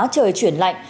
trời chuyển lạnh